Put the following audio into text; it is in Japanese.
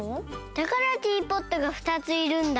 だからティーポットが２ついるんだ。